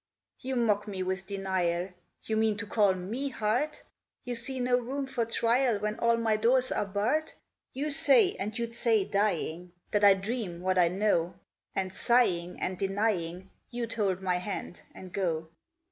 "You mock me with denial, You mean to call me hard? You see no room for trial When all my doors are barred? You say, and you'd say dying, That I dream what I know; And sighing, and denying, You'd hold my hand and go.